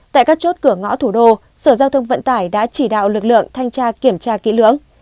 tại các chốt cửa ngõ thủ đô sở giao thông vận tải đã chỉ đạo lực lượng thanh tra kiểm tra kỹ lưỡng